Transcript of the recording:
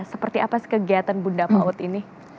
seperti apa sih kegiatan bunda paut ini